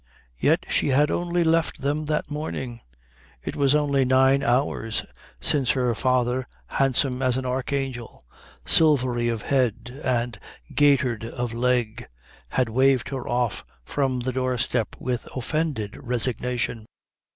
Yet she had only left them that morning; it was only nine hours since her father, handsome as an archangel, silvery of head and gaitered of leg, had waved her off from the doorstep with offended resignation.